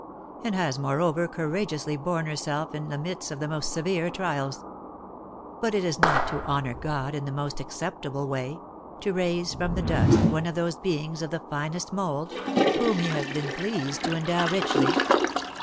and has, moreover, courageously borne herself in the midst of the most severe trials. But is it not to honour God in the most acceptable way, to raise from the dust one of those beings of the finest mould, whom he has been pleased to endow richly?